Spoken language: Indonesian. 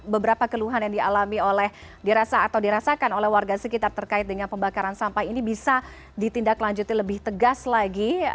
beberapa keluhan yang dialami oleh dirasa atau dirasakan oleh warga sekitar terkait dengan pembakaran sampah ini bisa ditindaklanjuti lebih tegas lagi